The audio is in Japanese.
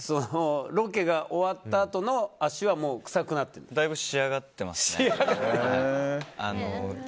ロケが終わったあとの足はだいぶ仕上がってますね。